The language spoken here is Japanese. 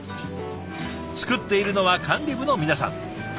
作っているのは管理部の皆さん。